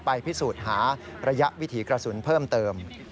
พิสูจน์หาระยะวิถีกระสุนเพิ่มเติม